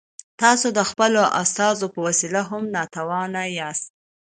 تاسو د خپلو استازو په وسیله هم ناتوان یاست.